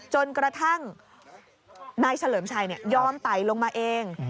จนกระทั่งนายเฉลิมชัยยอมไต่ลงมาเอง